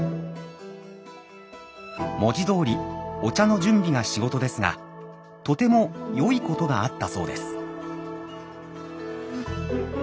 文字どおりお茶の準備が仕事ですがとても良いことがあったそうです。